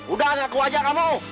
udah ngaku aja kamu